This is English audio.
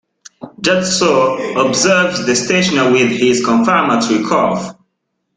"Just so," observes the stationer with his confirmatory cough.